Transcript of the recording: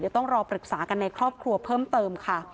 เดี๋ยวต้องรอปรึกษากันในครอบครัวเพิ่มเติมค่ะ